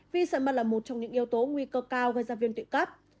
vì sải mật là một trong những yếu tố nguy cơ cao gây ra viên tụy cấp